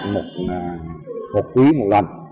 một hộp quý một lần